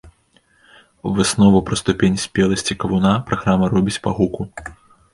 Выснову пра ступень спеласці кавуна праграма робіць па гуку.